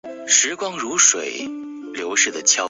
极少数情况下龙卷风也可能从积云发起。